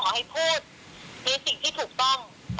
ถ้าวันนี้ครูผิดฟ้าจึงไม่เอาด้วยก็บอกเลย